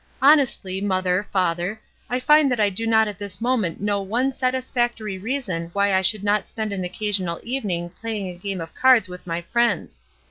Honestly, mother, father, I find that I do not at this moment know one satis factory reason why I should not spend an occa sional evening playing a game of cards with my friends.